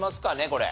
これ。